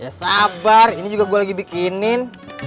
ya sabar ini juga gue lagi bikinin